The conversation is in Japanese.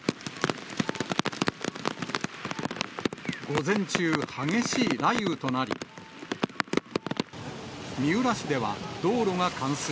午前中、激しい雷雨となり、三浦市では、道路が冠水。